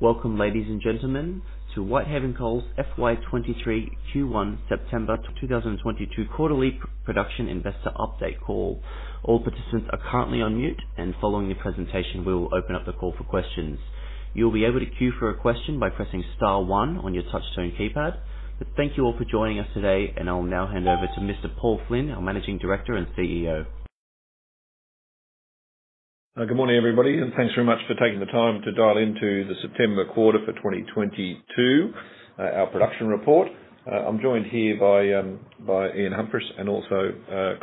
Welcome, ladies and gentlemen, to Whitehaven Coal's FY23 Q1 September 2022 Quarterly Production Investor Update Call. All participants are currently on mute, and following the presentation, we will open up the call for questions. You'll be able to queue for a question by pressing star one on your touchtone keypad. But thank you all for joining us today, and I'll now hand over to Mr. Paul Flynn, our Managing Director and CEO. Good morning, everybody, and thanks very much for taking the time to dial into the September quarter for 2022, our production report. I'm joined here by Ian Humphris and also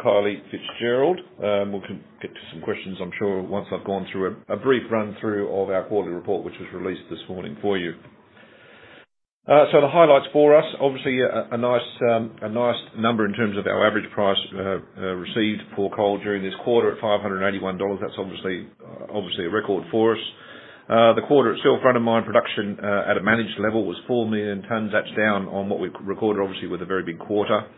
Kylie Fitzgerald. We'll get to some questions, I'm sure, once I've gone through a brief run-through of our quarterly report, which was released this morning for you. So the highlights for us, obviously a nice number in terms of our average price received for coal during this quarter at $581. That's obviously a record for us. The quarter itself, run-of-mine production at a managed level was 4 million tons. That's down on what we recorded, obviously, with a very big quarter.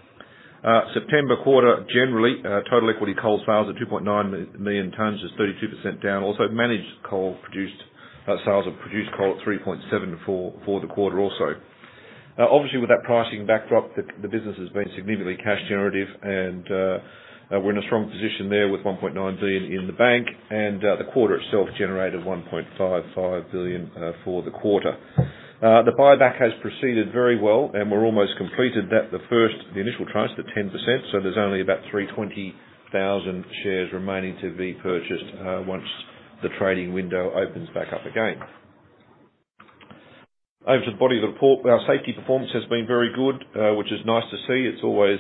September quarter, generally, total equity coal sales at 2.9 million tons is 32% down. Also, managed coal produced sales of produced coal at 3.7 for the quarter also. Obviously, with that pricing backdrop, the business has been significantly cash generative, and we're in a strong position there with 1.9 billion in the bank, and the quarter itself generated 1.55 billion for the quarter. The buyback has proceeded very well, and we're almost completed the initial tranche at 10%, so there's only about 320,000 shares remaining to be purchased once the trading window opens back up again. Over to the body of the report. Our safety performance has been very good, which is nice to see. It's always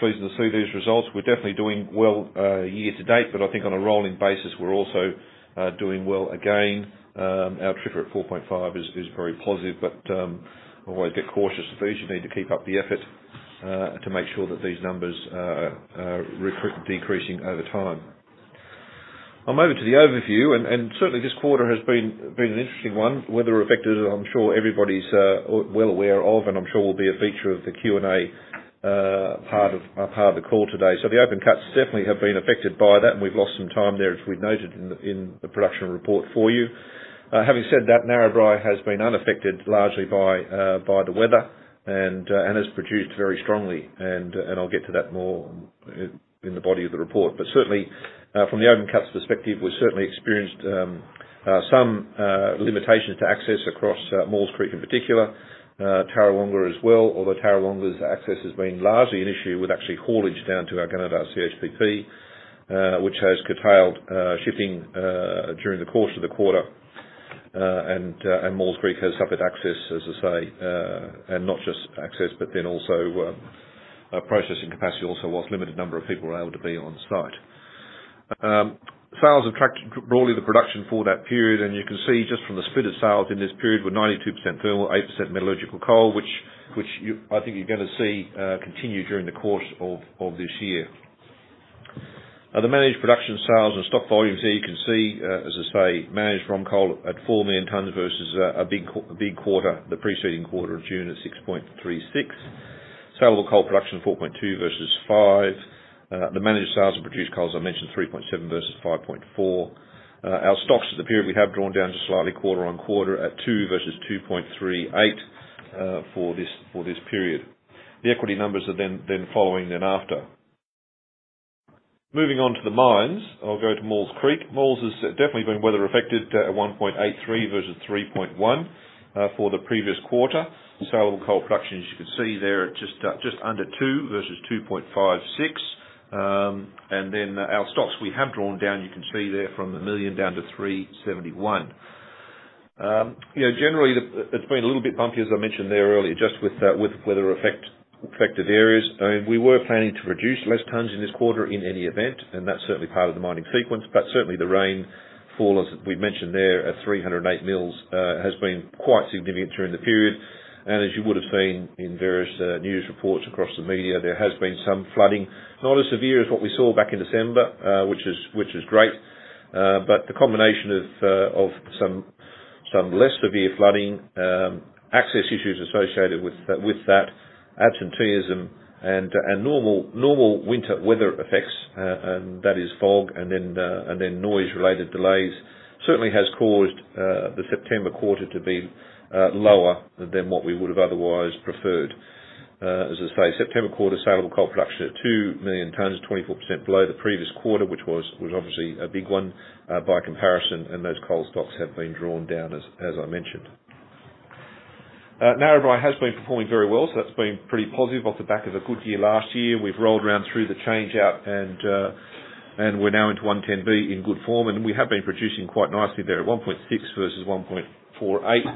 pleasing to see these results. We're definitely doing well year to date, but I think on a rolling basis, we're also doing well again. Our TRIFR at 4.5 is very positive, but always get cautious with these. You need to keep up the effort to make sure that these numbers are decreasing over time. I'm over to the overview, and certainly this quarter has been an interesting one. Weather affected, I'm sure everybody's well aware of, and I'm sure will be a feature of the Q&A part of the call today. So the open cuts definitely have been affected by that, and we've lost some time there, as we've noted in the production report for you. Having said that, Narrabri has been unaffected largely by the weather and has produced very strongly, and I'll get to that more in the body of the report. Certainly, from the open cuts perspective, we've certainly experienced some limitations to access across Maules Creek in particular, Tarrawonga as well, although Tarrawonga's access has been largely an issue with actually haulage down to our Gunnedah CHPP, which has curtailed shipping during the course of the quarter. Maules Creek has suffered access, as I say, and not just access, but then also processing capacity also whilst a limited number of people were able to be on site. Sales have tracked broadly the production for that period, and you can see just from the split of sales in this period, we're 92% thermal, 8% metallurgical coal, which I think you're going to see continue during the course of this year. The managed production sales and stock volumes here, you can see, as I say, managed ROM coal at 4 million tons versus a big quarter, the preceding quarter of June at 6.36. Saleable coal production 4.2 versus 5. The managed sales of produced coal, as I mentioned, 3.7 versus 5.4. Our stocks at the period we have drawn down just slightly quarter on quarter at 2 versus 2.38 for this period. The export numbers are then following after. Moving on to the mines, I'll go to Maules Creek. Maules has definitely been weather affected at 1.83 versus 3.1 for the previous quarter. Saleable coal production, as you can see there, just under 2 versus 2.56. Then our stocks we have drawn down, you can see there from a million down to 371. Generally, it's been a little bit bumpy, as I mentioned there earlier, just with weather-affected areas. We were planning to produce less tons in this quarter in any event, and that's certainly part of the mining sequence. But certainly, the rainfall, as we mentioned there, at 308 mm has been quite significant during the period. And as you would have seen in various news reports across the media, there has been some flooding, not as severe as what we saw back in December, which is great. But the combination of some less severe flooding, access issues associated with that, absenteeism, and normal winter weather effects, and that is fog and then noise-related delays, certainly has caused the September quarter to be lower than what we would have otherwise preferred. As I say, September quarter saleable coal production at two million tons is 24% below the previous quarter, which was obviously a big one by comparison, and those coal stocks have been drawn down, as I mentioned. Narrabri has been performing very well, so that's been pretty positive off the back of a good year last year. We've rolled around through the changeout, and we're now into 110B in good form, and we have been producing quite nicely there at 1.6 versus 1.48. The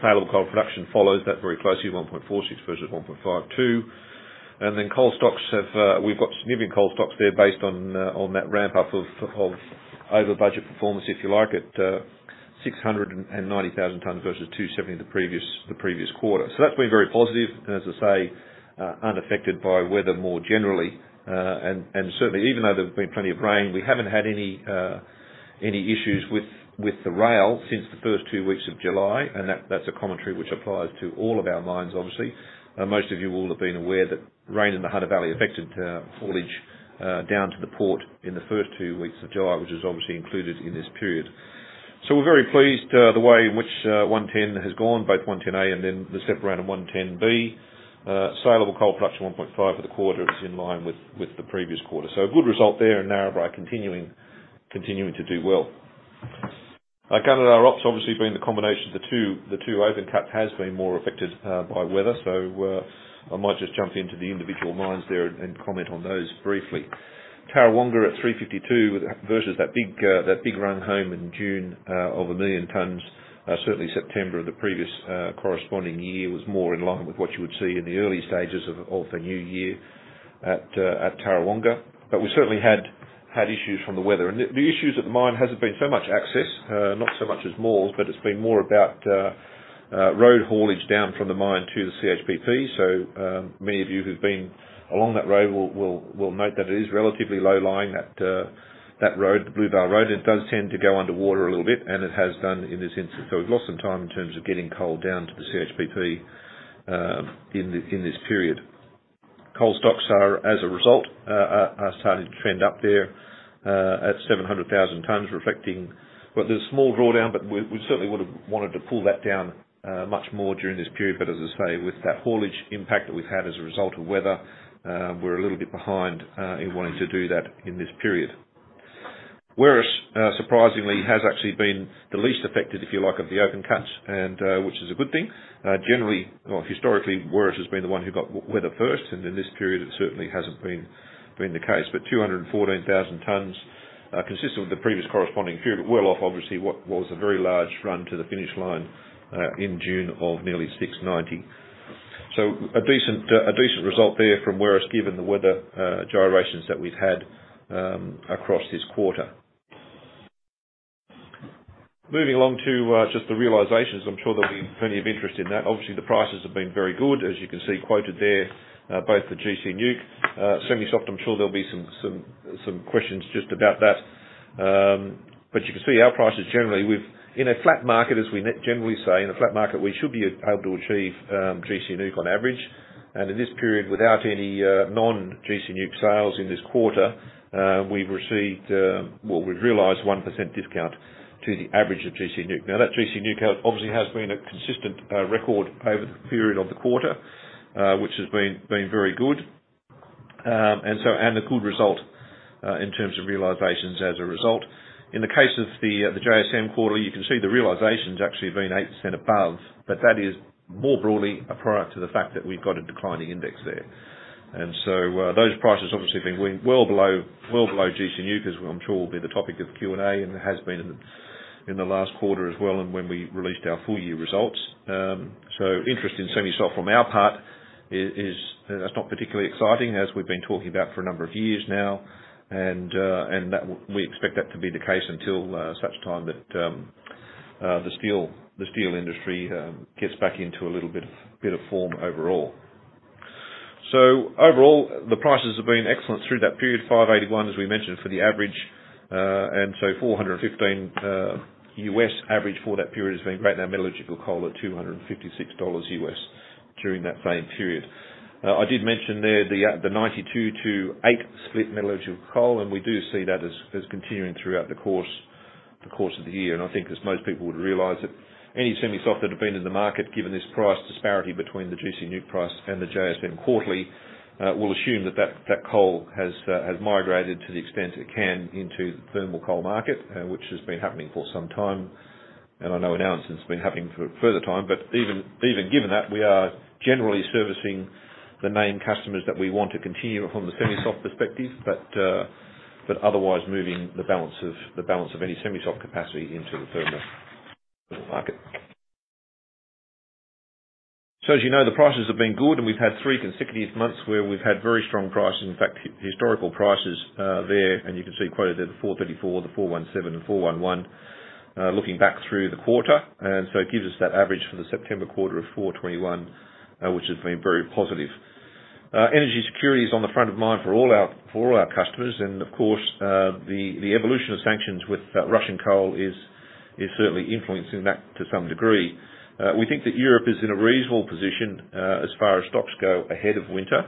saleable coal production follows that very closely, 1.46 versus 1.52. And then coal stocks have, we've got significant coal stocks there based on that ramp-up of over-budget performance, if you like, at 690,000 tons versus 270 the previous quarter. So that's been very positive, as I say, unaffected by weather more generally. And certainly, even though there's been plenty of rain, we haven't had any issues with the rail since the first two weeks of July, and that's a commentary which applies to all of our mines, obviously. Most of you will have been aware that rain in the Hunter Valley affected haulage down to the port in the first two weeks of July, which is obviously included in this period. So we're very pleased the way in which 110 has gone, both 110A and then the separate round of 110B. Saleable coal production 1.5 for the quarter is in line with the previous quarter. So a good result there and Narrabri continuing to do well. Gunnedah Ops, obviously being the combination of the two, the two open cuts has been more affected by weather, so I might just jump into the individual mines there and comment on those briefly. Tarrawonga at 352 versus that big run home in June of a million tons. Certainly September of the previous corresponding year was more in line with what you would see in the early stages of the new year at Tarrawonga. But we certainly had issues from the weather. And the issues at the mine hasn't been so much access, not so much as Maules, but it's been more about road haulage down from the mine to the CHPP. So many of you who've been along that road will note that it is relatively low-lying, that road, the Blue Vale Road, and it does tend to go underwater a little bit, and it has done in this instance. So we've lost some time in terms of getting coal down to the CHPP in this period. Coal stocks are, as a result, starting to trend up there at 700,000 tons, reflecting there's a small drawdown, but we certainly would have wanted to pull that down much more during this period. But as I say, with that haulage impact that we've had as a result of weather, we're a little bit behind in wanting to do that in this period. Werris, surprisingly, has actually been the least affected, if you like, of the open cuts, which is a good thing. Generally, or historically, Werris has been the one who got weather first, and in this period, it certainly hasn't been the case. But 214,000 tons consistent with the previous corresponding period, but well off, obviously, what was a very large run to the finish line in June of nearly 690. So a decent result there from Werris given the weather gyrations that we've had across this quarter. Moving along to just the realizations, I'm sure there'll be plenty of interest in that. Obviously, the prices have been very good, as you can see quoted there, both for gC NEWC. Semi-soft, I'm sure there'll be some questions just about that. But you can see our prices generally, in a flat market, as we generally say, in a flat market, we should be able to achieve gC NEWC on average. And in this period, without any non-gC NEWC sales in this quarter, we've received, well, we've realized 1% discount to the average of gC NEWC. Now, that gC NEWC obviously has been a consistent record over the period of the quarter, which has been very good, and a good result in terms of realizations as a result. In the case of the JSM quarter, you can see the realizations actually have been 8% above, but that is more broadly a product of the fact that we've got a declining index there. And so those prices obviously have been well below GCNewc, as I'm sure will be the topic of Q&A and has been in the last quarter as well and when we released our full year results. So interest in semi-soft from our part is not particularly exciting, as we've been talking about for a number of years now, and we expect that to be the case until such time that the steel industry gets back into a little bit of form overall. So overall, the prices have been excellent through that period, $581, as we mentioned, for the average, and so $415 US average for that period has been great. Now, metallurgical coal at $256 USD during that same period. I did mention there the 92 to 8 split metallurgical coal, and we do see that as continuing throughout the course of the year. And I think as most people would realize that any semi-soft that have been in the market, given this price disparity between the GCNewc price and the JSM Quarterly, will assume that that coal has migrated to the extent it can into the thermal coal market, which has been happening for some time. And I know announcements have been happening for further time. But even given that, we are generally servicing the name customers that we want to continue from the semi-soft perspective, but otherwise moving the balance of any semi-soft capacity into the thermal market. So as you know, the prices have been good, and we've had three consecutive months where we've had very strong prices, in fact, historical prices there. And you can see quoted there the 434, the 417, and 411 looking back through the quarter. And so it gives us that average for the September quarter of 421, which has been very positive. Energy security is on the front of mind for all our customers, and of course, the evolution of sanctions with Russian coal is certainly influencing that to some degree. We think that Europe is in a reasonable position as far as stocks go ahead of winter,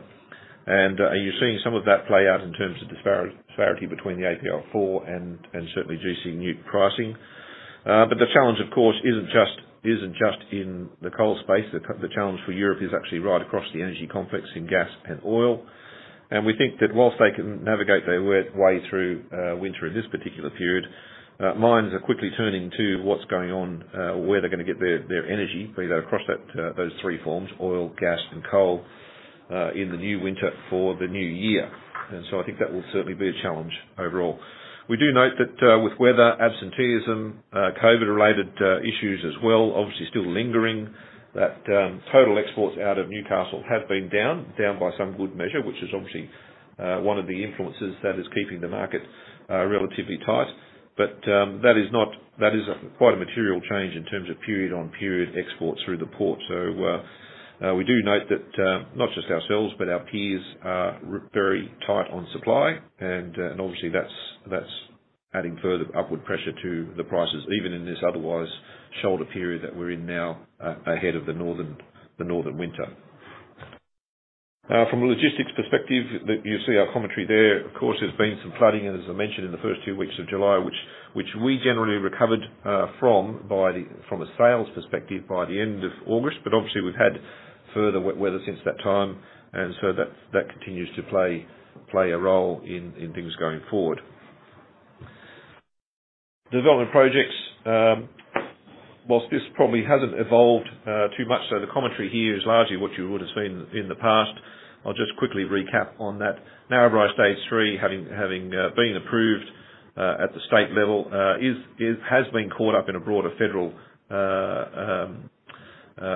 and you're seeing some of that play out in terms of disparity between the API4 and certainly GCNewc pricing. But the challenge, of course, isn't just in the coal space. The challenge for Europe is actually right across the energy complex in gas and oil, and we think that whilst they can navigate their way through winter in this particular period, minds are quickly turning to what's going on, where they're going to get their energy, be that across those three forms, oil, gas, and coal in the new winter for the new year, and so I think that will certainly be a challenge overall, we do note that with weather, absenteeism, COVID-related issues as well, obviously still lingering, that total exports out of Newcastle have been down by some good measure, which is obviously one of the influences that is keeping the market relatively tight, but that is quite a material change in terms of period-on-period exports through the port. So we do note that not just ourselves, but our peers are very tight on supply, and obviously that's adding further upward pressure to the prices, even in this otherwise shoulder period that we're in now ahead of the northern winter. From a logistics perspective, you see our commentary there, of course, there's been some flooding, as I mentioned, in the first two weeks of July, which we generally recovered from a sales perspective by the end of August. But obviously, we've had further wet weather since that time, and so that continues to play a role in things going forward. Development projects, whilst this probably hasn't evolved too much, so the commentary here is largely what you would have seen in the past. I'll just quickly recap on that. Narrabri Stage 3, having been approved at the state level, has been caught up in a broader federal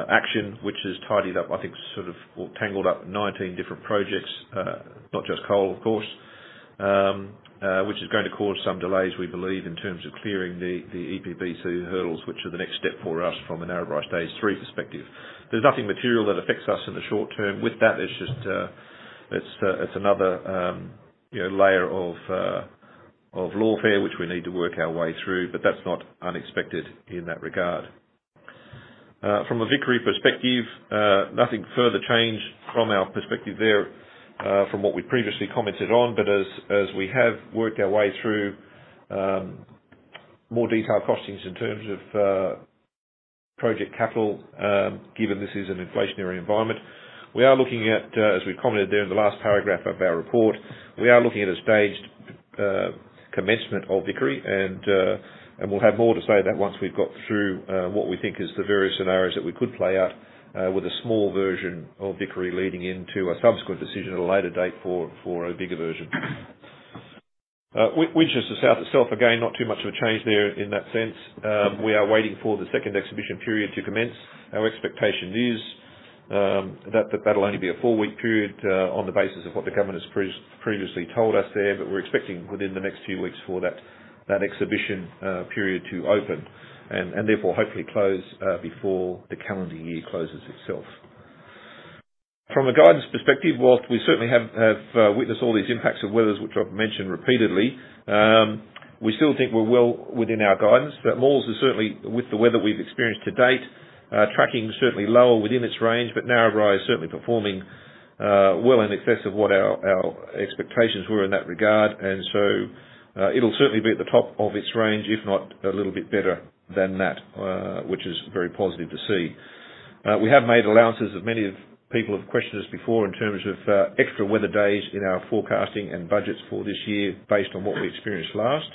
action, which has tidied up, I think, sort of tangled up 19 different projects, not just coal, of course, which is going to cause some delays, we believe, in terms of clearing the EPBC hurdles, which are the next step for us from a Narrabri Stage 3 perspective. There's nothing material that affects us in the short term. With that, it's just another layer of lawfare which we need to work our way through, but that's not unexpected in that regard. From a Vickery perspective, nothing further changed from our perspective there from what we previously commented on, but as we have worked our way through more detailed costings in terms of project capital, given this is an inflationary environment, we are looking at, as we commented there in the last paragraph of our report, we are looking at a staged commencement of Vickery, and we'll have more to say that once we've got through what we think is the various scenarios that we could play out with a small version of Vickery leading into a subsequent decision at a later date for a bigger version. Winchester South itself, again, not too much of a change there in that sense. We are waiting for the second exhibition period to commence. Our expectation is that that'll only be a four-week period on the basis of what the government has previously told us there, but we're expecting within the next few weeks for that exhibition period to open and therefore hopefully close before the calendar year closes itself. From a guidance perspective, whilst we certainly have witnessed all these impacts of weather, which I've mentioned repeatedly, we still think we're well within our guidance. Maules is certainly, with the weather we've experienced to date, tracking certainly lower within its range, but Narrabri is certainly performing well in excess of what our expectations were in that regard. And so it'll certainly be at the top of its range, if not a little bit better than that, which is very positive to see. We have made allowances. Many people have questioned us before in terms of extra weather days in our forecasting and budgets for this year based on what we experienced last,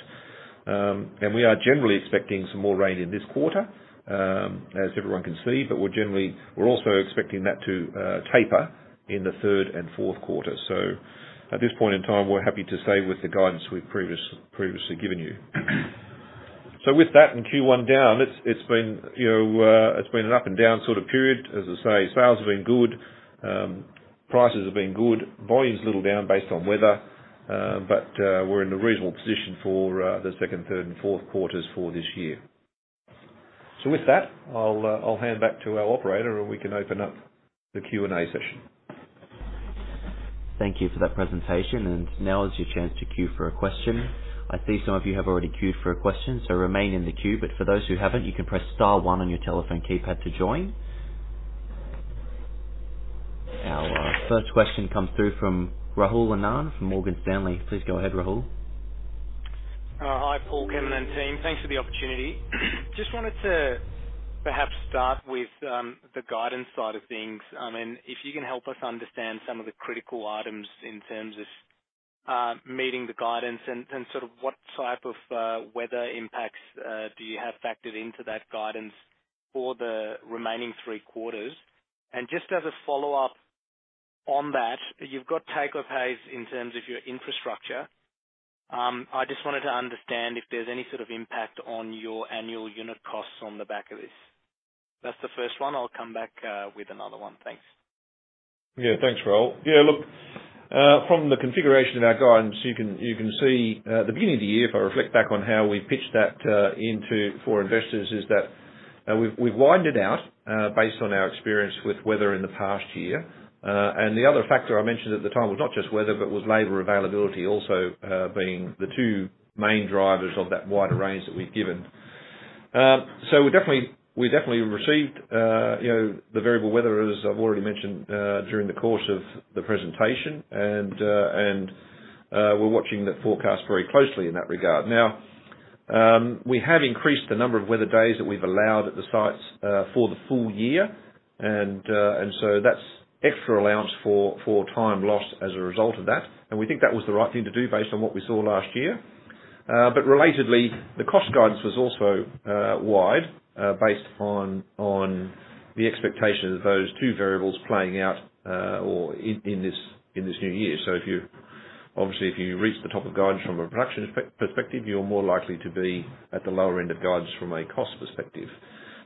and we are generally expecting some more rain in this quarter, as everyone can see, but we're also expecting that to taper in the third and fourth quarter, so at this point in time, we're happy to stay with the guidance we've previously given you, so with that and Q1 down, it's been an up and down sort of period. As I say, sales have been good, prices have been good, volumes little down based on weather, but we're in a reasonable position for the second, third, and fourth quarters for this year, so with that, I'll hand back to our operator, and we can open up the Q&A session. Thank you for that presentation. Now is your chance to queue for a question. I see some of you have already queued for a question, so remain in the queue. For those who haven't, you can press star one on your telephone keypad to join. Our first question comes through from Rahul Anand from Morgan Stanley. Please go ahead, Rahul. Hi, Paul, Kevin, and team. Thanks for the opportunity. Just wanted to perhaps start with the guidance side of things. I mean, if you can help us understand some of the critical items in terms of meeting the guidance and sort of what type of weather impacts do you have factored into that guidance for the remaining three quarters? And just as a follow-up on that, you've got take-or-pay in terms of your infrastructure. I just wanted to understand if there's any sort of impact on your annual unit costs on the back of this. That's the first one. I'll come back with another one. Thanks. Yeah, thanks, Rahul. Yeah, look, from the configuration of our guidance, you can see at the beginning of the year, if I reflect back on how we pitched that for investors, is that we've widened it out based on our experience with weather in the past year. And the other factor I mentioned at the time was not just weather, but was labor availability also being the two main drivers of that wider range that we've given. So we definitely received the variable weather, as I've already mentioned, during the course of the presentation, and we're watching that forecast very closely in that regard. Now, we have increased the number of weather days that we've allowed at the sites for the full year, and so that's extra allowance for time lost as a result of that. We think that was the right thing to do based on what we saw last year. But relatedly, the cost guidance was also wide based on the expectation of those two variables playing out in this new year. So obviously, if you reach the top of guidance from a production perspective, you're more likely to be at the lower end of guidance from a cost perspective.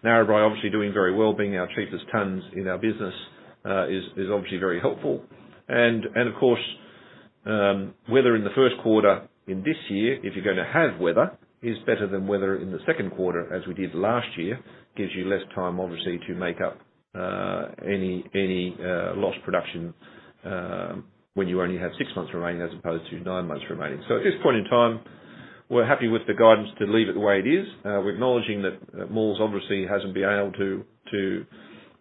Narrabri, obviously, doing very well, being our cheapest tons in our business, is obviously very helpful. And of course, weather in the first quarter in this year, if you're going to have weather, is better than weather in the second quarter, as we did last year, gives you less time, obviously, to make up any lost production when you only have six months remaining as opposed to nine months remaining. So at this point in time, we're happy with the guidance to leave it the way it is. We're acknowledging that Maules obviously hasn't been able to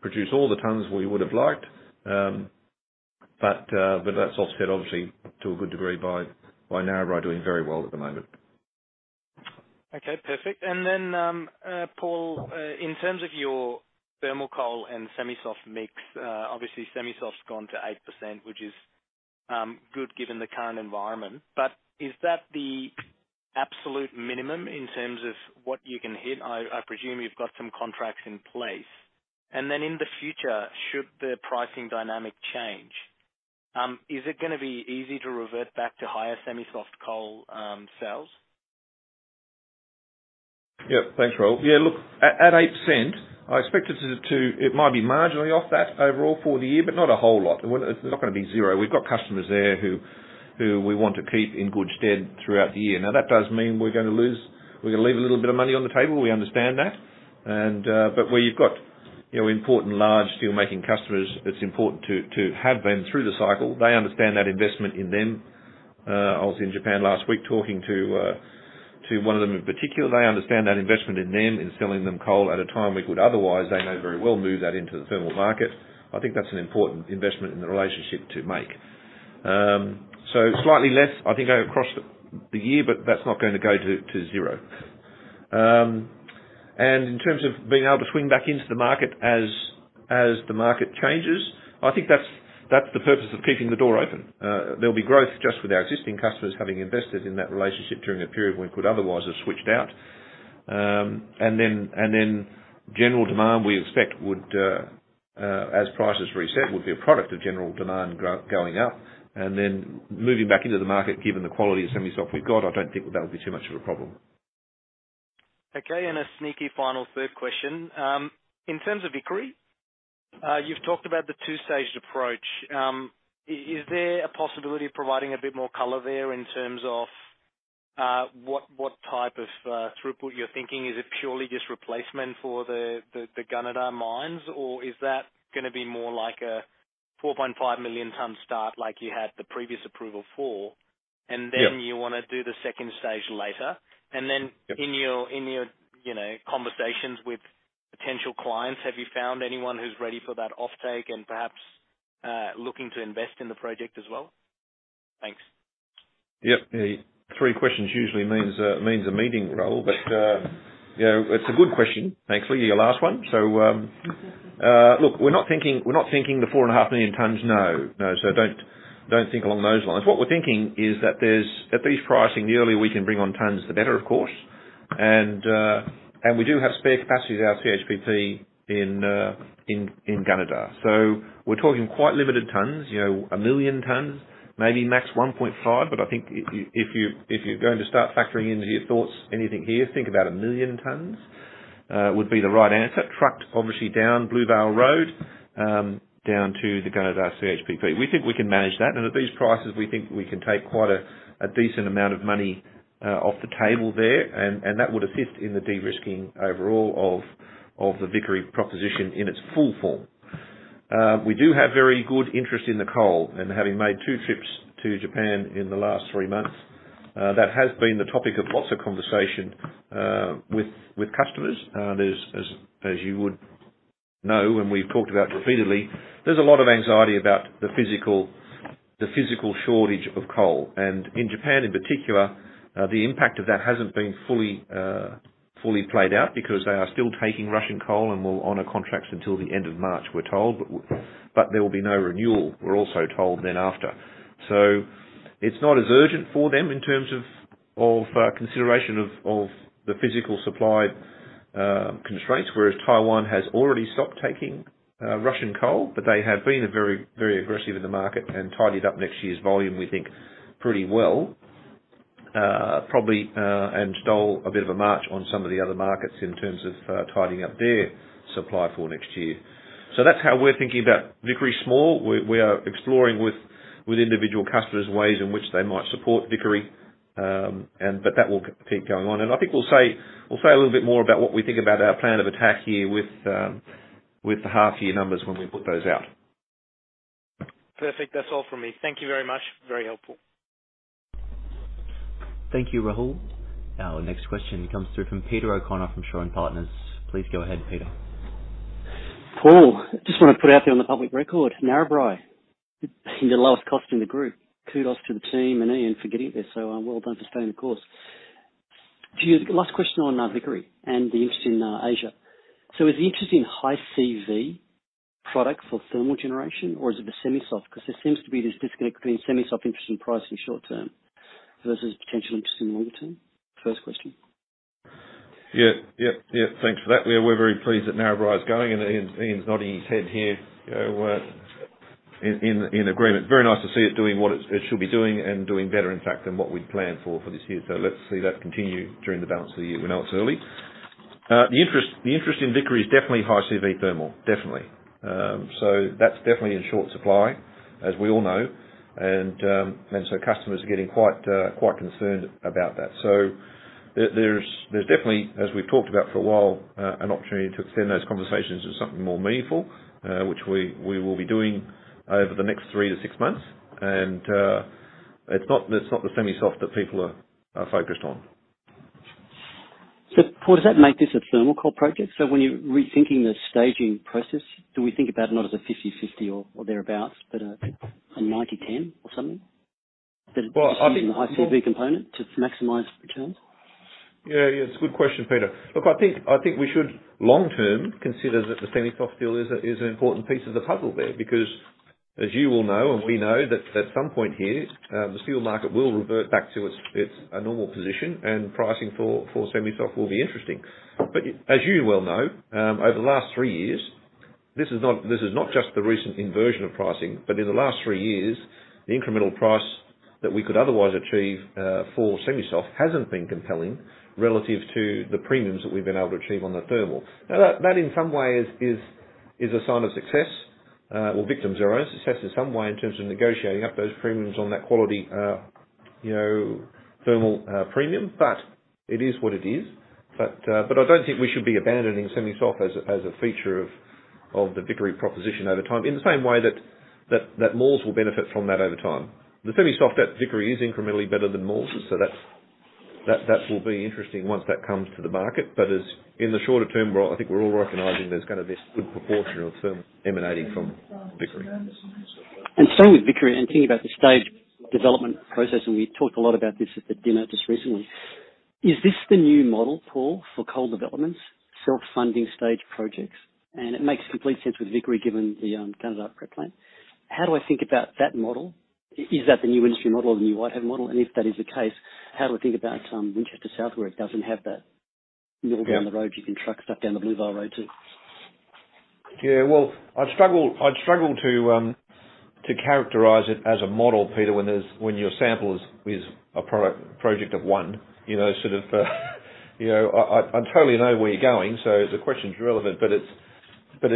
produce all the tons we would have liked, but that's offset, obviously, to a good degree by Narrabri doing very well at the moment. Okay, perfect. And then, Paul, in terms of your thermal coal and semi-soft mix, obviously, semi-soft's gone to 8%, which is good given the current environment. But is that the absolute minimum in terms of what you can hit? I presume you've got some contracts in place. And then in the future, should the pricing dynamic change, is it going to be easy to revert back to higher semi-soft coal sales? Yeah, thanks, Rahul. Yeah, look, at 8%, I expected it might be marginally off that overall for the year, but not a whole lot. It's not going to be zero. We've got customers there who we want to keep in good stead throughout the year. Now, that does mean we're going to lose. We're going to leave a little bit of money on the table. We understand that. But where you've got important, large steelmaking customers, it's important to have them through the cycle. They understand that investment in them. I was in Japan last week talking to one of them in particular. They understand that investment in them and selling them coal at a time we could otherwise, they know very well, move that into the thermal market. I think that's an important investment in the relationship to make. So slightly less, I think, across the year, but that's not going to go to zero. And in terms of being able to swing back into the market as the market changes, I think that's the purpose of keeping the door open. There'll be growth just with our existing customers having invested in that relationship during a period when we could otherwise have switched out. And then general demand, we expect, as prices reset, would be a product of general demand going up. And then moving back into the market, given the quality of semi-soft we've got, I don't think that'll be too much of a problem. Okay, and a sneaky final third question. In terms of Vickery, you've talked about the two-staged approach. Is there a possibility of providing a bit more color there in terms of what type of throughput you're thinking? Is it purely just replacement for the Gunnedah mines, or is that going to be more like a 4.5 million ton start like you had the previous approval for, and then you want to do the second stage later? And then in your conversations with potential clients, have you found anyone who's ready for that offtake and perhaps looking to invest in the project as well? Thanks. Yep. Three questions usually means a meeting, Rahul, but it's a good question, thankfully, your last one. So look, we're not thinking the four and a half million tons, no. No, so don't think along those lines. What we're thinking is that at these pricing, the earlier we can bring on tons, the better, of course. And we do have spare capacity at our CHPP in Gunnedah. So we're talking quite limited tons, a million tons, maybe max 1.5, but I think if you're going to start factoring into your thoughts anything here, think about a million tons would be the right answer. Trucked, obviously, down Blue Vale Road, down to the Gunnedah CHPP. We think we can manage that. And at these prices, we think we can take quite a decent amount of money off the table there, and that would assist in the de-risking overall of the Vickery proposition in its full form. We do have very good interest in the coal, and having made two trips to Japan in the last three months, that has been the topic of lots of conversation with customers. As you would know, and we've talked about repeatedly, there's a lot of anxiety about the physical shortage of coal. And in Japan, in particular, the impact of that hasn't been fully played out because they are still taking Russian coal and will honor contracts until the end of March, we're told, but there will be no renewal, we're also told, then after. So it's not as urgent for them in terms of consideration of the physical supply constraints, whereas Taiwan has already stopped taking Russian coal, but they have been very aggressive in the market and tidied up next year's volume, we think, pretty well, probably, and stole a bit of a march on some of the other markets in terms of tidying up their supply for next year. So that's how we're thinking about Vickery small. We are exploring with individual customers ways in which they might support Vickery, but that will keep going on. And I think we'll say a little bit more about what we think about our plan of attack here with the half-year numbers when we put those out. Perfect. That's all from me. Thank you very much. Very helpful. Thank you, Rahul. Our next question comes through from Peter O'Connor from Shaw and Partners. Please go ahead, Peter. Paul, I just want to put out there on the public record, Narrabri in the lowest cost in the group. Kudos to the team and Ian for getting there, so well done for staying the course. Last question on Vickery and the interest in Asia. So is the interest in high CV products or thermal generation, or is it the semi-soft? Because there seems to be this disconnect between semi-soft interest in price in the short term versus potential interest in the longer term. First question. Yeah, yeah, yeah. Thanks for that. We're very pleased that Narrabri is going, and Ian's nodding his head here in agreement. Very nice to see it doing what it should be doing and doing better, in fact, than what we'd planned for this year. Let's see that continue during the balance of the year. We know it's early. The interest in Vickery is definitely high CV thermal, definitely. That's definitely in short supply, as we all know. Customers are getting quite concerned about that. There's definitely, as we've talked about for a while, an opportunity to extend those conversations to something more meaningful, which we will be doing over the next three to six months. It's not the semi-soft that people are focused on. Paul, does that make this a thermal coal project? So when you're rethinking the staging process, do we think about it not as a 50/50 or thereabouts, but a 90/10 or something? I think. High CV component to maximize returns? Yeah, yeah. It's a good question, Peter. Look, I think we should long-term consider that the semi-soft still is an important piece of the puzzle there because, as you will know and we know, that at some point here, the steel market will revert back to its normal position, and pricing for semi-soft will be interesting. But as you well know, over the last three years, this is not just the recent inversion of pricing, but in the last three years, the incremental price that we could otherwise achieve for semi-soft hasn't been compelling relative to the premiums that we've been able to achieve on the thermal. Now, that in some ways is a sign of success or victim of success in some way in terms of negotiating up those premiums on that quality thermal premium, but it is what it is. I don't think we should be abandoning semi-soft as a feature of the Vickery proposition over time in the same way that Maules will benefit from that over time. The semi-soft at Vickery is incrementally better than Maules', so that will be interesting once that comes to the market. In the shorter term, I think we're all recognizing there's going to be a good proportion of thermal emanating from Vickery. Staying with Vickery and thinking about the stage development process, and we talked a lot about this at the dinner just recently, is this the new model, Paul, for coal developments, self-funding stage projects? And it makes complete sense with Vickery given the Gunnedah upgrade plan. How do I think about that model? Is that the new industry model or the new Whitehaven model? And if that is the case, how do I think about Winchester South where it doesn't have that mill down the road? You can truck stuff down the Blue Vale Road too. Yeah, well, I'd struggle to characterize it as a model, Peter, when your sample is a project of one, sort of. I totally know where you're going, so the question's relevant, but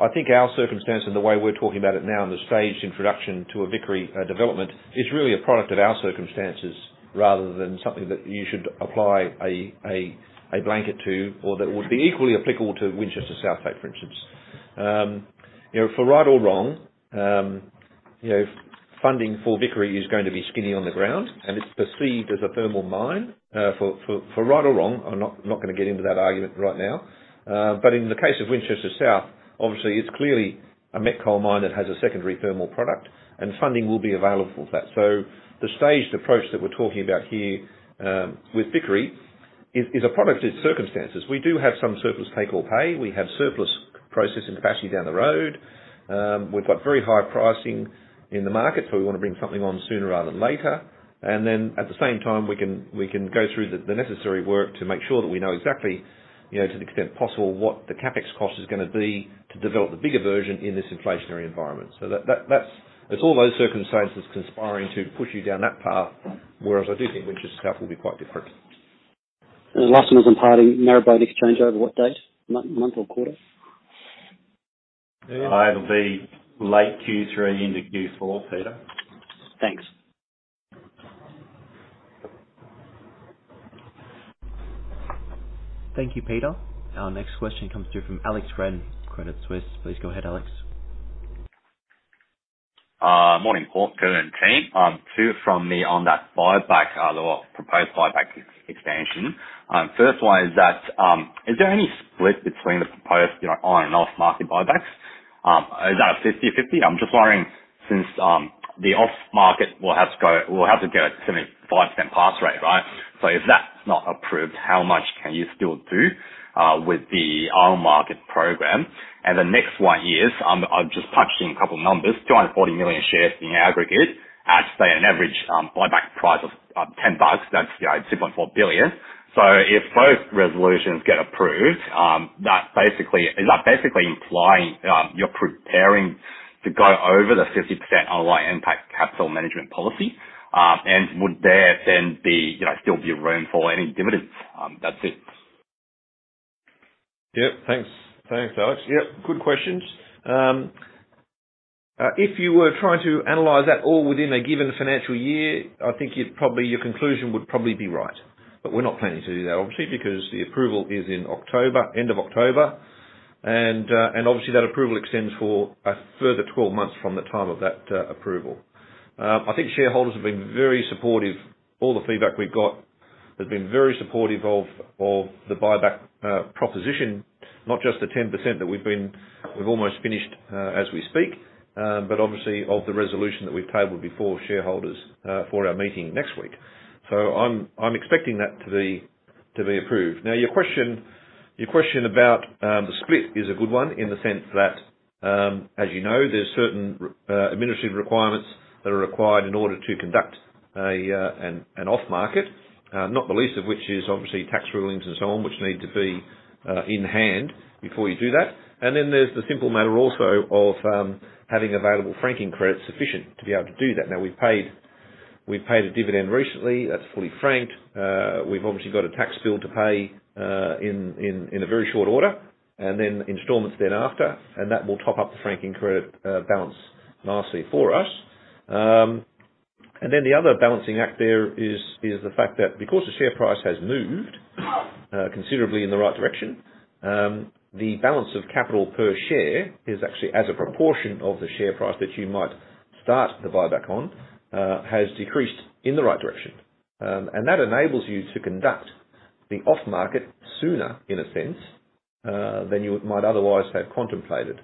I think our circumstance and the way we're talking about it now in the stage introduction to a Vickery development is really a product of our circumstances rather than something that you should apply a blanket to or that would be equally applicable to Winchester South, for instance. For right or wrong, funding for Vickery is going to be skinny on the ground, and it's perceived as a thermal mine. For right or wrong, I'm not going to get into that argument right now. But in the case of Winchester South, obviously, it's clearly a met coal mine that has a secondary thermal product, and funding will be available for that. So the staged approach that we're talking about here with Vickery is a product of its circumstances. We do have some surplus take-or-pay. We have surplus processing capacity down the road. We've got very high pricing in the market, so we want to bring something on sooner rather than later. And then at the same time, we can go through the necessary work to make sure that we know exactly, to the extent possible, what the CapEx cost is going to be to develop the bigger version in this inflationary environment. So it's all those circumstances conspiring to push you down that path, whereas I do think Winchester South will be quite different. Last one was on pricing. Narrabri, any change over what date? Month or quarter? It'll be late Q3 into Q4, Peter. Thanks. Thank you, Peter. Our next question comes through from Uncertain. Please go ahead, Uncertain. Morning, Paul, Kevin and team. Two from me on that buyback, the proposed buyback expansion. First one is that, is there any split between the proposed on- and off-market buybacks? Is that a 50/50? I'm just wondering, since the off-market will have to go at 75% pass rate, right? So if that's not approved, how much can you still do with the on-market program? And the next one is, I've just punched in a couple of numbers, 240 million shares in aggregate at, say, an average buyback price of $10. That's $2.4 billion. So if both resolutions get approved, is that basically implying you're preparing to go over the 50% ownership impact capital management policy? And would there then still be room for any dividends? That's it. Yep. Thanks, Alex. Yeah, good questions. If you were trying to analyze that all within a given financial year, I think your conclusion would probably be right. But we're not planning to do that, obviously, because the approval is in October, end of October. And obviously, that approval extends for a further 12 months from the time of that approval. I think shareholders have been very supportive. All the feedback we've got has been very supportive of the buyback proposition, not just the 10% that we've almost finished as we speak, but obviously of the resolution that we've tabled before shareholders for our meeting next week. So I'm expecting that to be approved. Now, your question about the split is a good one in the sense that, as you know, there's certain administrative requirements that are required in order to conduct an off-market, not the least of which is obviously tax rulings and so on, which need to be in hand before you do that. And then there's the simple matter also of having available franking credit sufficient to be able to do that. Now, we've paid a dividend recently. That's fully franked. We've obviously got a tax bill to pay in a very short order, and then installments thereafter, and that will top up the franking credit balance nicely for us. And then the other balancing act there is the fact that because the share price has moved considerably in the right direction, the balance of capital per share is actually as a proportion of the share price that you might start the buyback on has decreased in the right direction. And that enables you to conduct the off-market sooner, in a sense, than you might otherwise have contemplated.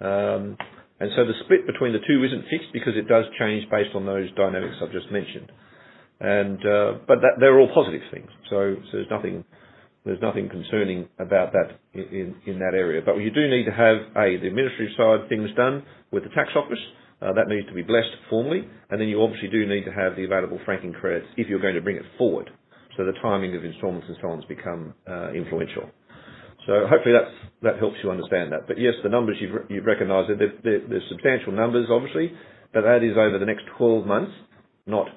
And so the split between the two isn't fixed because it does change based on those dynamics I've just mentioned. But they're all positive things. So there's nothing concerning about that in that area. But you do need to have A, the administrative side things done with the tax office. That needs to be blessed formally. And then you obviously do need to have the available franking credits if you're going to bring it forward. So the timing of installments and so on has become influential. So hopefully, that helps you understand that. But yes, the numbers you've recognized, they're substantial numbers, obviously, but that is over the next 12 months, not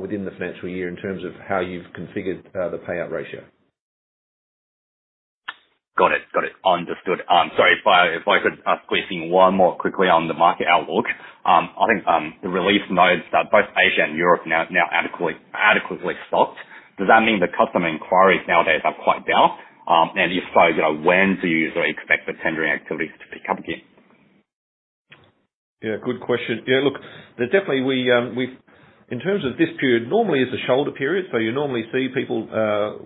within the financial year in terms of how you've configured the payout ratio. Got it. Got it. Understood. Sorry, if I could squeeze in one more quickly on the market outlook. I think the relief modes are both Asia and Europe now adequately stocked. Does that mean the customer inquiries nowadays are quite down? And if so, when do you expect the tendering activities to pick up again? Yeah, good question. Yeah, look, definitely, in terms of this period, normally it's a shoulder period. So you normally see people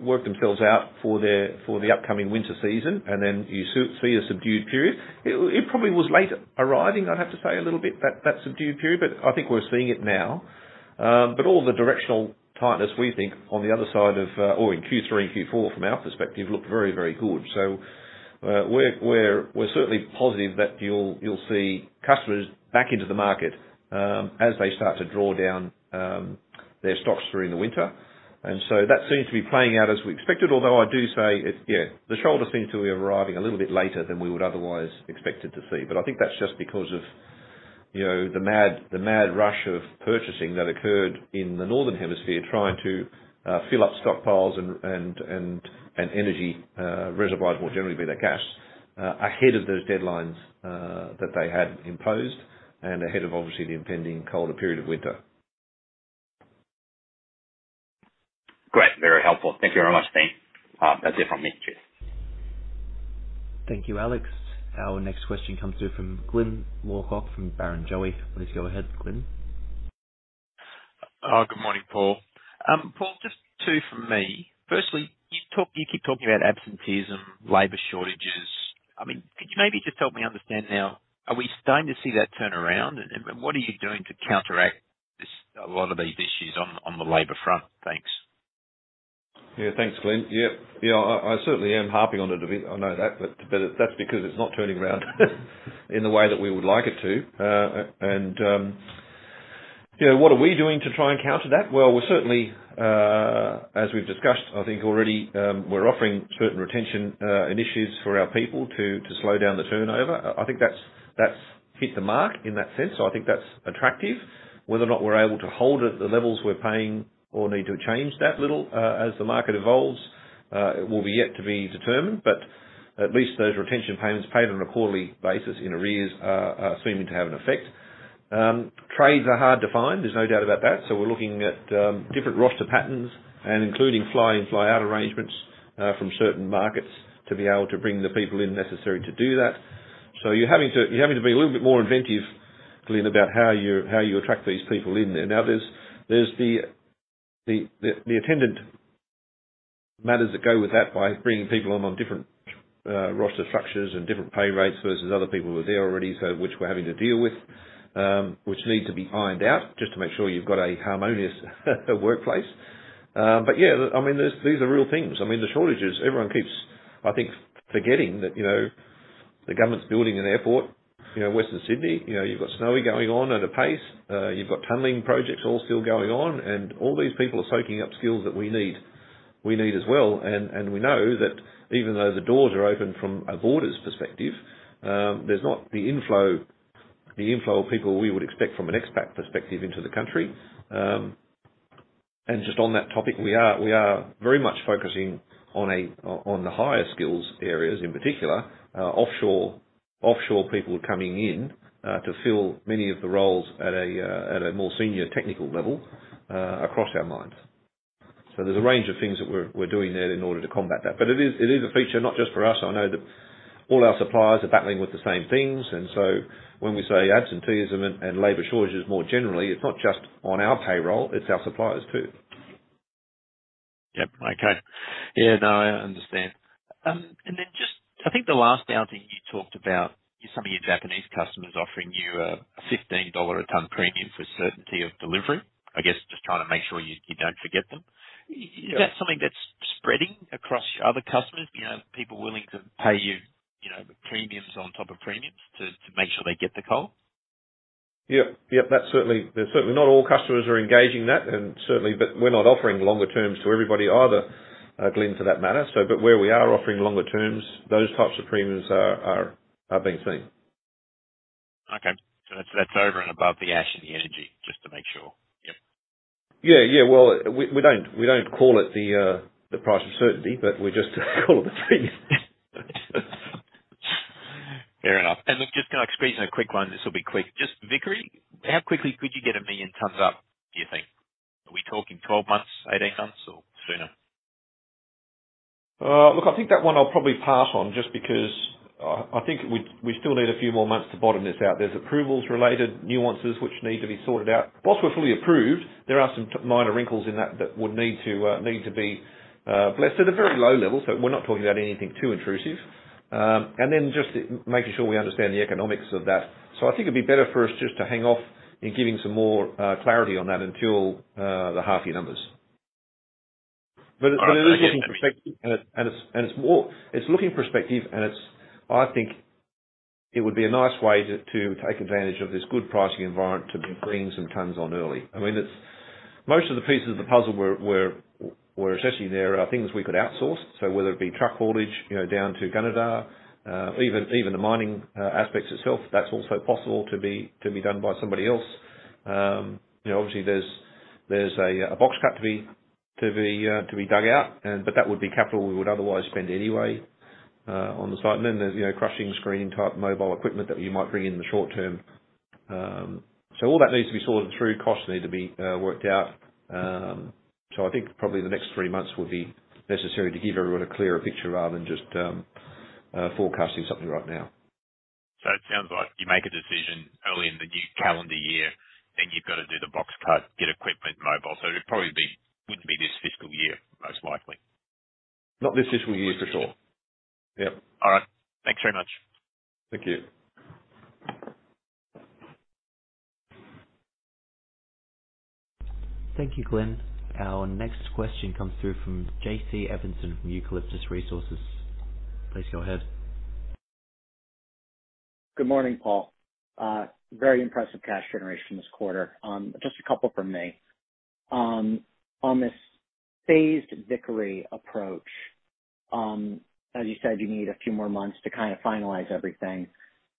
work themselves out for the upcoming winter season, and then you see a subdued period. It probably was late arriving, I'd have to say, a little bit, that subdued period, but I think we're seeing it now. But all the directional tightness we think on the other side of, or in Q3 and Q4 from our perspective, look very, very good. So we're certainly positive that you'll see customers back into the market as they start to draw down their stocks during the winter. And so that seems to be playing out as we expected, although I do say, yeah, the shoulder seems to be arriving a little bit later than we would otherwise expect it to see. But I think that's just because of the mad rush of purchasing that occurred in the northern hemisphere trying to fill up stockpiles and energy reservoirs, more generally, be it their gas, ahead of those deadlines that they had imposed and ahead of, obviously, the impending colder period of winter. Great. Very helpful. Thank you very much, Steve. That's it from me. Cheers. Thank you, Alex. Our next question comes through from Glyn Lawcock from Barrenjoey. Please go ahead, Glyn. Good morning, Paul. Paul, just two from me. Firstly, you keep talking about absenteeism, labor shortages. I mean, could you maybe just help me understand now, are we starting to see that turn around? And what are you doing to counteract a lot of these issues on the labor front? Thanks. Yeah, thanks, Glynn. Yeah, yeah, I certainly am harping on it a bit. I know that, but that's because it's not turning around in the way that we would like it to. And what are we doing to try and counter that? Well, we're certainly, as we've discussed, I think already, we're offering certain retention initiatives for our people to slow down the turnover. I think that's hit the mark in that sense. So I think that's attractive. Whether or not we're able to hold at the levels we're paying or need to change that little as the market evolves will be yet to be determined. But at least those retention payments paid on a quarterly basis in arrears are seeming to have an effect. Trades are hard to find. There's no doubt about that. So we're looking at different roster patterns and including fly-in, fly-out arrangements from certain markets to be able to bring the people in necessary to do that. So you're having to be a little bit more inventive, Glynn, about how you attract these people in there. Now, there's the attendant matters that go with that by bringing people on different roster structures and different pay rates versus other people who are there already, which we're having to deal with, which need to be ironed out just to make sure you've got a harmonious workplace. But yeah, I mean, these are real things. I mean, the shortages, everyone keeps, I think, forgetting that the government's building an airport, Western Sydney. You've got Snowy going on at a pace. You've got tunneling projects all still going on. And all these people are soaking up skills that we need as well. And we know that even though the doors are open from a borders perspective, there's not the inflow of people we would expect from an expat perspective into the country. And just on that topic, we are very much focusing on the higher skills areas in particular, offshore people coming in to fill many of the roles at a more senior technical level across our mines. So there's a range of things that we're doing there in order to combat that. But it is a feature not just for us. I know that all our suppliers are battling with the same things. And so when we say absenteeism and labor shortages more generally, it's not just on our payroll. It's our suppliers too. Yep. Okay. Yeah, no, I understand. And then just I think the last point you talked about is some of your Japanese customers offering you a $15 a ton premium for certainty of delivery, I guess, just trying to make sure you don't forget them. Is that something that's spreading across other customers, people willing to pay you premiums on top of premiums to make sure they get the coal? Yeah. Yep. There's certainly not. All customers are engaging that, and certainly, but we're not offering longer terms to everybody either, Glynn, for that matter, but where we are offering longer terms, those types of premiums are being seen. Okay, so that's over and above the ash and the energy, just to make sure. Yep. Yeah. Yeah. Well, we don't call it the price of certainty, but we just call it the premium. Fair enough. And just kind of squeeze in a quick one. This will be quick. Just Vickery, how quickly could you get a million tons up, do you think? Are we talking 12 months, 18 months, or sooner? Look, I think that one I'll probably pass on just because I think we still need a few more months to bottom this out. There's approvals-related nuances which need to be sorted out. While we're fully approved, there are some minor wrinkles in that that would need to be blessed. They're very low level, so we're not talking about anything too intrusive. And then just making sure we understand the economics of that. So I think it'd be better for us just to hang off in giving some more clarity on that until the half-year numbers. But it is looking prospective, and it's looking prospective, and I think it would be a nice way to take advantage of this good pricing environment to bring some tons on early. I mean, most of the pieces of the puzzle where it's actually there are things we could outsource. So whether it be truck haulage down to Gunnedah, even the mining aspects itself, that's also possible to be done by somebody else. Obviously, there's a box cut to be dug out, but that would be capital we would otherwise spend anyway on the site. And then there's crushing, screening-type mobile equipment that you might bring in the short term. So all that needs to be sorted through. Costs need to be worked out. So I think probably the next three months would be necessary to give everyone a clearer picture rather than just forecasting something right now. So it sounds like you make a decision early in the new calendar year, then you've got to do the box cut, get equipment mobile. So it probably wouldn't be this fiscal year, most likely. Not this fiscal year for sure. Yep. All right. Thanks very much. Thank you. Thank you, Glynn. Our next question comes through from Uncertain. Please go ahead. Good morning, Paul. Very impressive cash generation this quarter. Just a couple from me. On this phased Vickery approach, as you said, you need a few more months to kind of finalize everything.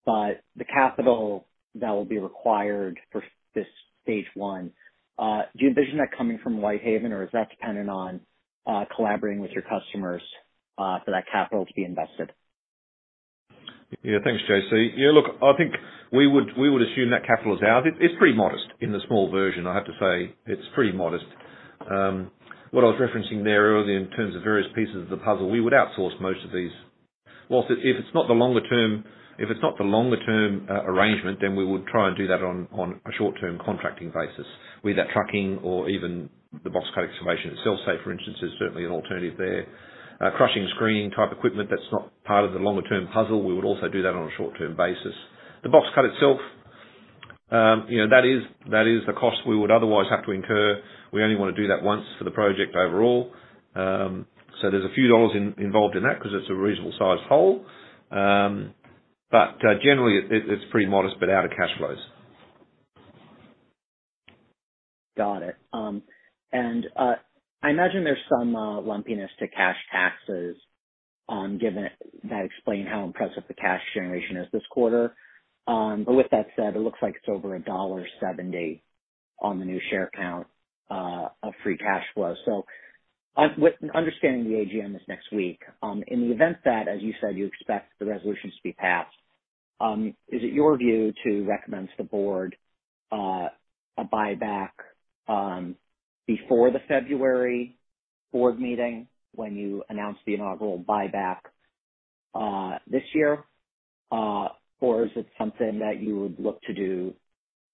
But the capital that will be required for this stage one, do you envision that coming from Whitehaven, or is that dependent on collaborating with your customers for that capital to be invested? Yeah. Thanks, JC. Yeah, look, I think we would assume that capital is out. It's pretty modest in the small version, I have to say. It's pretty modest. What I was referencing there earlier in terms of various pieces of the puzzle, we would outsource most of these. Well, if it's not the longer-term arrangement, then we would try and do that on a short-term contracting basis, with that trucking or even the box cut excavation itself, say, for instance, is certainly an alternative there. Crushing, screening-type equipment that's not part of the longer-term puzzle, we would also do that on a short-term basis. The box cut itself, that is the cost we would otherwise have to incur. We only want to do that once for the project overall. So there's a few dollars involved in that because it's a reasonable-sized hole. But generally, it's pretty modest but out of cash flows. Got it. I imagine there's some lumpiness to cash taxes that explain how impressive the cash generation is this quarter. But with that said, it looks like it's over dollar 1.70 on the new share count of free cash flow. Understanding the AGM is next week, in the event that, as you said, you expect the resolution to be passed, is it your view to recommend to the board a buyback before the February board meeting when you announce the inaugural buyback this year? Or is it something that you would look to do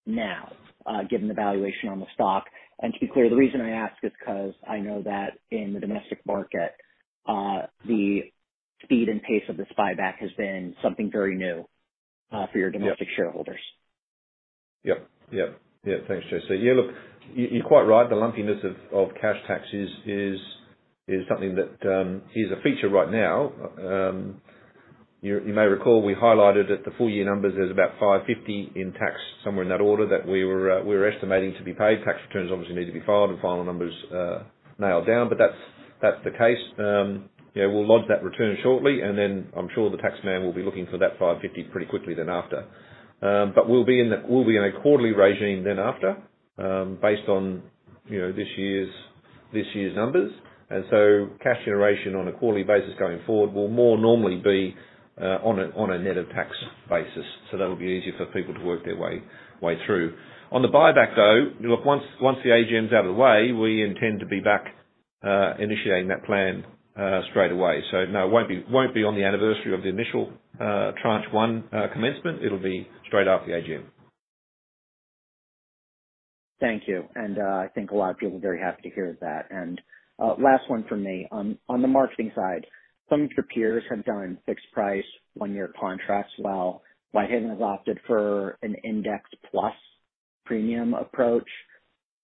now, given the valuation on the stock? To be clear, the reason I ask is because I know that in the domestic market, the speed and pace of this buyback has been something very new for your domestic shareholders. Yep. Thanks, JC. Yeah, look, you're quite right. The lumpiness of cash taxes is something that is a feature right now. You may recall we highlighted at the full year numbers there's about 550 million in tax somewhere in that order that we were estimating to be paid. Tax returns obviously need to be filed and final numbers nailed down, but that's the case. Yeah, we'll lodge that return shortly, and then I'm sure the tax man will be looking for that 550 million pretty quickly thereafter, but we'll be in a quarterly regime thereafter based on this year's numbers, and so cash generation on a quarterly basis going forward will more normally be on a net of tax basis, so that will be easier for people to work their way through. On the buyback, though, look, once the AGM's out of the way, we intend to be back initiating that plan straight away. So no, it won't be on the anniversary of the initial tranche one commencement. It'll be straight after the AGM. Thank you. And I think a lot of people are very happy to hear that. And last one from me. On the marketing side, some of your peers have done fixed price one-year contracts, while Whitehaven has opted for an index plus premium approach.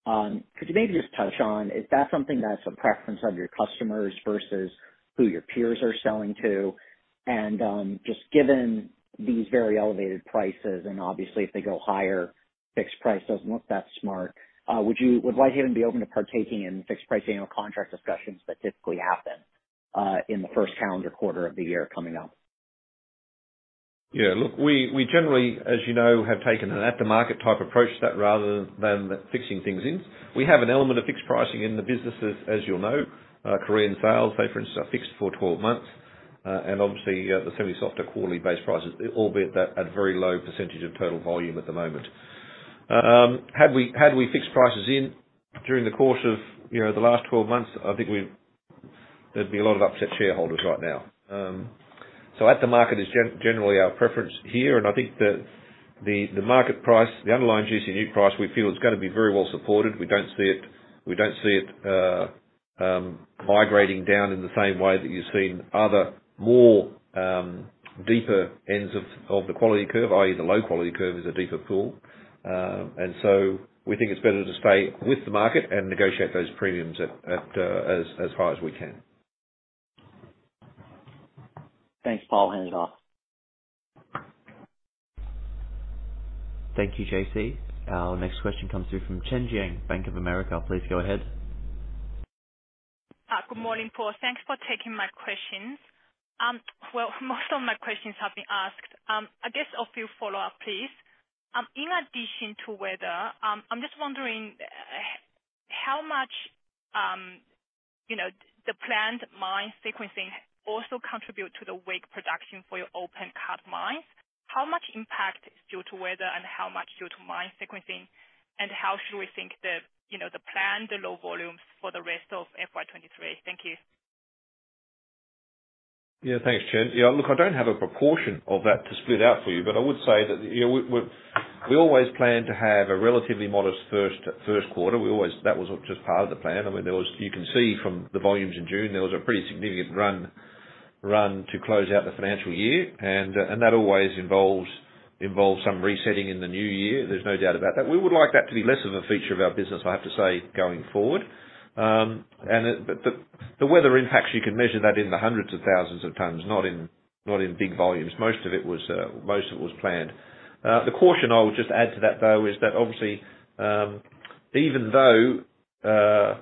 Could you maybe just touch on, is that something that's a preference of your customers versus who your peers are selling to? And just given these very elevated prices, and obviously if they go higher, fixed price doesn't look that smart. Would Whitehaven be open to partaking in fixed price annual contract discussions that typically happen in the first calendar quarter of the year coming up? Yeah. Look, we generally, as you know, have taken an at-the-market type approach to that rather than fixing things in. We have an element of fixed pricing in the businesses, as you'll know. Korean sales, say, for instance, are fixed for 12 months. And obviously, the semi-soft or quarterly base prices, albeit at a very low percentage of total volume at the moment. Had we fixed prices in during the course of the last 12 months, I think there'd be a lot of upset shareholders right now. So at the market is generally our preference here. And I think that the market price, the underlying GCNewc price, we feel it's going to be very well supported. We don't see it migrating down in the same way that you've seen other more deeper ends of the quality curve, i.e., the low quality curve is a deeper pool. We think it's better to stay with the market and negotiate those premiums as high as we can. Thanks, Paul. Hand it off. Thank you, JC. Our next question comes through from Chen Jiang, Bank of America. Please go ahead. Good morning, Paul. Thanks for taking my questions. Most of my questions have been asked. I guess a few follow-ups, please. In addition to weather, I'm just wondering how much the planned mine sequencing also contributes to the weak production for your open-cut mines. How much impact is due to weather and how much due to mine sequencing? And how should we think about the planned low volumes for the rest of FY23? Thank you. Yeah. Thanks, Chen. Yeah. Look, I don't have a proportion of that to split out for you, but I would say that we always plan to have a relatively modest first quarter. That was just part of the plan. I mean, you can see from the volumes in June, there was a pretty significant run to close out the financial year. And that always involves some resetting in the new year. There's no doubt about that. We would like that to be less of a feature of our business, I have to say, going forward. But the weather impacts, you can measure that in the hundreds of thousands of tons, not in big volumes. Most of it was planned. The caution I would just add to that, though, is that obviously, even though the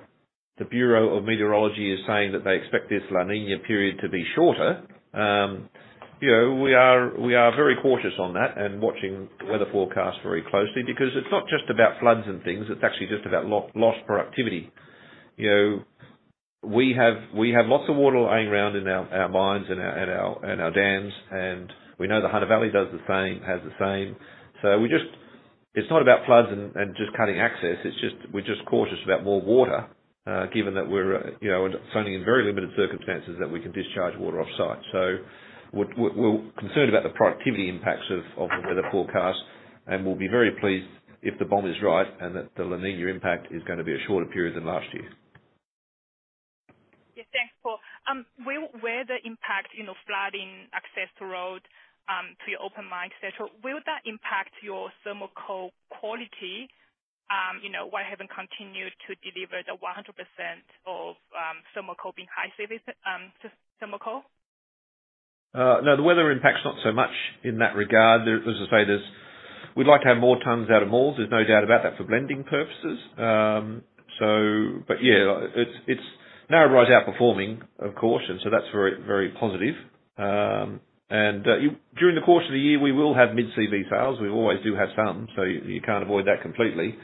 Bureau of Meteorology is saying that they expect this La Niña period to be shorter, we are very cautious on that and watching weather forecasts very closely because it's not just about floods and things. It's actually just about lost productivity. We have lots of water lying around in our mines and our dams, and we know the Hunter Valley has the same. So it's not about floods and just cutting access. We're just cautious about more water, given that we're zoning in very limited circumstances that we can discharge water off-site. So we're concerned about the productivity impacts of the weather forecast, and we'll be very pleased if the BoM is right and that the La Niña impact is going to be a shorter period than last year. Yes. Thanks, Paul. Where the impact in flooding access to road, to your open mines, etc., will that impact your thermal coal quality? Whitehaven continued to deliver the 100% of thermal coal being high-CV thermal coal? No, the weather impacts not so much in that regard. As I say, we'd like to have more tons out of Maules. There's no doubt about that for blending purposes. But yeah, it's now right outperforming, of course, and so that's very positive. And during the course of the year, we will have mid-CV sales. We always do have some, so you can't avoid that completely.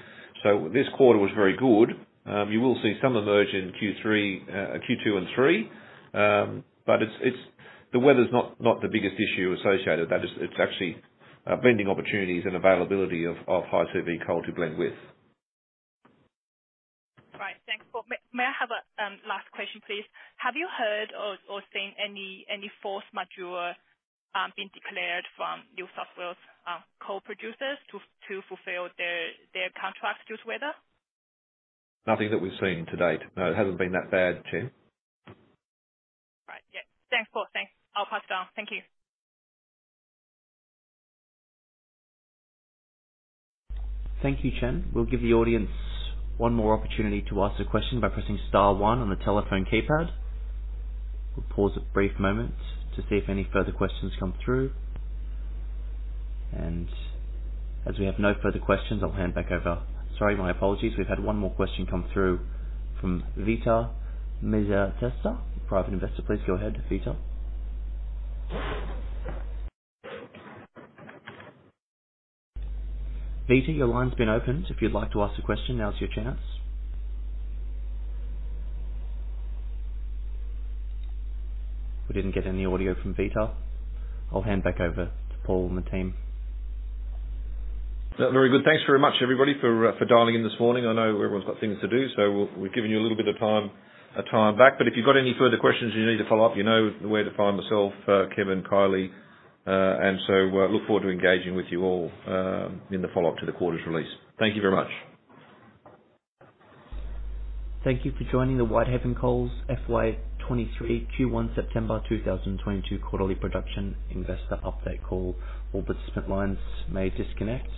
So this quarter was very good. You will see some emerge in Q2 and 3, but the weather's not the biggest issue associated. It's actually blending opportunities and availability of high-CV coal to blend with. Right. Thanks, Paul. May I have a last question, please? Have you heard or seen any force majeure being declared from New South Wales coal producers to fulfill their contracts due to weather? Nothing that we've seen to date. No, it hasn't been that bad, Chen. Right. Yeah. Thanks, Paul. Thanks. I'll pass it on. Thank you. Thank you, Chen. We'll give the audience one more opportunity to ask a question by pressing star one on the telephone keypad. We'll pause a brief moment to see if any further questions come through, and as we have no further questions, I'll hand back over. Sorry, my apologies. We've had one more question come through from Vito Mezzatesta, private investor. Please go ahead, Vito. Vito, your line's been opened. If you'd like to ask a question, now's your chance. We didn't get any audio from Vito. I'll hand back over to Paul and the team. Very good. Thanks very much, everybody, for dialing in this morning. I know everyone's got things to do, so we've given you a little bit of time back. But if you've got any further questions you need to follow up, you know where to find myself, Kevin, Kylie. And so look forward to engaging with you all in the follow-up to the quarter's release. Thank you very much. Thank you for joining the Whitehaven Coal's FY23 Q1 September 2022 quarterly production investor update call. All participant lines may disconnect.